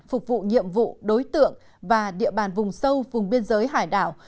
phục vụ nhiệm vụ đối tượng và địa bàn vùng sâu vùng biên giới hải đảo